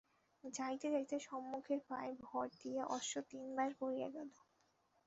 যাইতে যাইতে সম্মুখের পায়ে ভর দিয়া অশ্ব তিন বার পড়িয়া গেল।